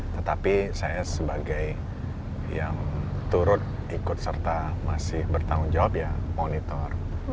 tetapi saya sebagai yang turut ikut serta masih bertanggung jawab ya monitor